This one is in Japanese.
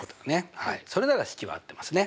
それなら式は合ってますね。